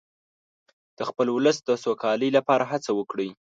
د خپل ولس د سوکالۍ لپاره هڅه وکړئ.